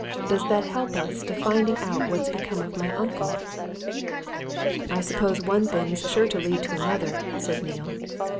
Does that help us to finding out what's become of my uncle?" "I suppose one thing's sure to lead to another," said Neale.